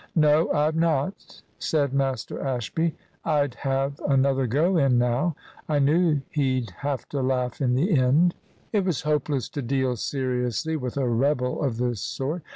"No, I've not," said Master Ashby. "I'd have another go in now. I knew he'd have to laugh in the end." It was hopeless to deal seriously with a rebel of this sort.